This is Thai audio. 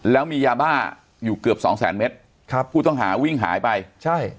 แล้วมียาบ้าอยู่เกือบ๒๐๐๐๐๐เมตรผู้ต้องหาวิ่งหายไป